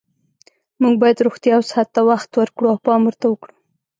موږ باید روغتیا او صحت ته وخت ورکړو او پام ورته کړو